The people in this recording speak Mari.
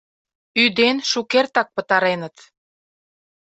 Ӱден шукертак пытареныт.